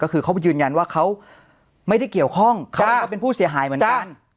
ก็คือเขายืนยันว่าเขาไม่ได้เกี่ยวข้องเขาก็เป็นผู้เสียหายเหมือนกัน